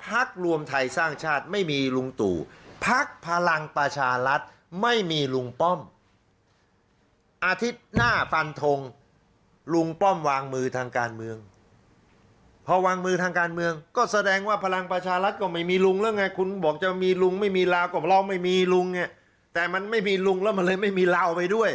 เพราะฉะนั้นไม่มีลุงแล้วมันเลยไม่มีเราไปด้วย